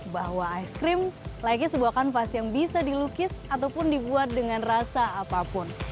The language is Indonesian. bahwa es krim layaknya sebuah kanvas yang bisa dilukis ataupun dibuat dengan rasa apapun